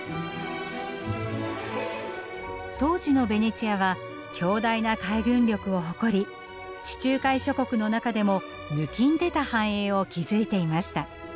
当時のベネチアは強大な海軍力を誇り地中海諸国の中でもぬきんでた繁栄を築いていました。